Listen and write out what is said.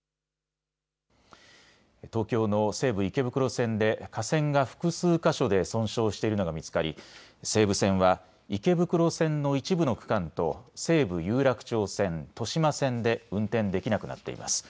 東京の西武池袋線で架線が複数箇所で損傷しているのが見つかり西武線は池袋線の一部の区間と西武有楽町線、豊島線で運転できなくなっています。